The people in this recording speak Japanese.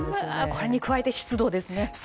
これに加えて湿度ですね。